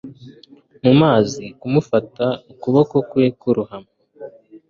mu mazi, kumufata, ukuboko kwe kurohama